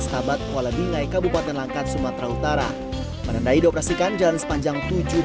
setabat kuala bingai kabupaten langkat sumatera utara menandai dioperasikan jalan sepanjang tujuh lima puluh lima